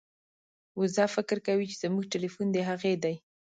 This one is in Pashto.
وزه فکر کوي چې زموږ ټیلیفون د هغې دی.